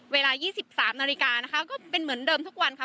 เวลา๒๓นาฬิกานะคะก็เป็นเหมือนเดิมทุกวันค่ะ